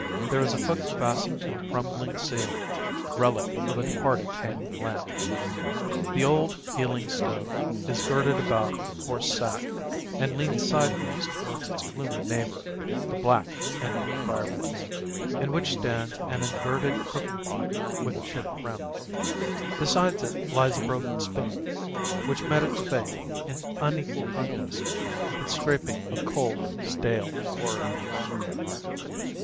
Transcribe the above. There is a hook fastened to the crumbling ceiling, relic of a departed hanging lamp. The old, peeling stove is girded about with a coarse sack, and leans sideways toward its gloomy neighbor, the black, empty fireplace, in which stands an inverted cooking pot with a chipped rim. Beside it lies a broken spoon, which met its fate in unequal contest with the scrapings of cold, stale porridge.